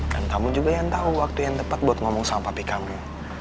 dan kamu juga yang tau waktu yang tepat buat ngomong sama papi kamu